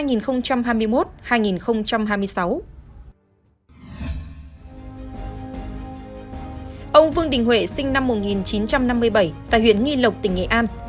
ông vương đình huệ sinh năm một nghìn chín trăm năm mươi bảy tại huyện nghi lộc tỉnh nghệ an